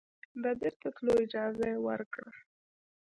د بیرته تللو اجازه یې ورکړه.